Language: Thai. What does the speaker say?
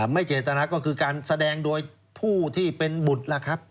ไม่เจตนาก็คือการแสดงโดยผู้ที่เป็นบุตรล่ะครับ